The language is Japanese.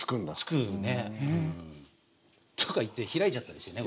つくねうん。とか言って開いちゃったりしてね